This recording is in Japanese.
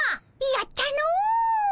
やったの！